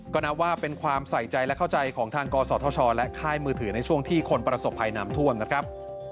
ก็นับว่าเป็นความใส่ใจและเข้าใจของทางกศธชและค่ายมือถือในช่วงที่คนประสบภัยน้ำท่วมนะครับ